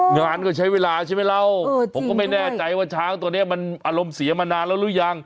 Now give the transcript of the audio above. งานก็ใช้เวลาใช่ไหมเราผมก็ไม่แน่ใจว่าช้างตัวนี้มันอารมณ์เสียมานานแล้วหรือยัง